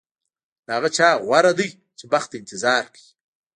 له هغه چا غوره دی چې بخت ته انتظار کوي.